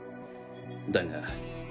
だが。